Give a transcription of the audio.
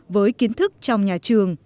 với kiến thức trong nhà trường